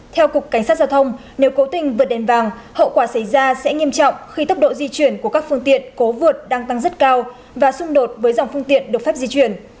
theo cục cảnh sát giao thông nếu cố tình vượt đèn vàng hậu quả xảy ra sẽ nghiêm trọng khi tốc độ di chuyển của các phương tiện cố vượt đang tăng rất cao và xung đột với dòng phương tiện được phép di chuyển